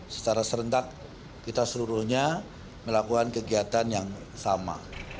secara serentak kita seluruhnya melakukan kegiatan yang sama